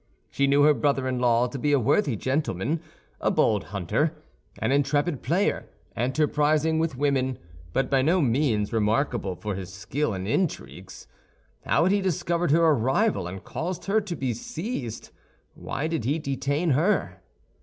She knew her brother in law to be a worthy gentleman, a bold hunter, an intrepid player, enterprising with women, but by no means remarkable for his skill in intrigues. How had he discovered her arrival, and caused her to be seized? Why did he detain her?